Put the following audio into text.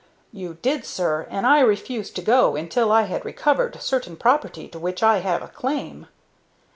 "You did, sir, and I refused to go until I had recovered certain property to which I have a claim."